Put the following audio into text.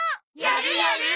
やるやる！